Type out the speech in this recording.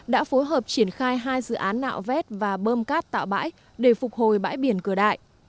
đã phối hợp triển khai hai dự án nạo vét và bơm cát tạo bãi để phục hồi bãi biển cửa đại